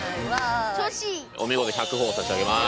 お見事１００ほぉ差し上げます。